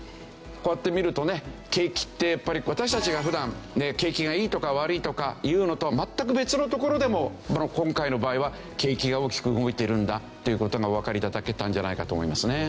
景気ってやっぱり私たちが普段景気がいいとか悪いとか言うのとは全く別のところでも今回の場合は景気が大きく動いているんだという事がおわかり頂けたんじゃないかと思いますね。